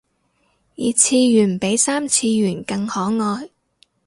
二次元比三次元更可愛